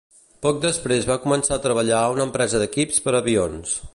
Poc després va començar a treballar a una empresa d'equips per avions.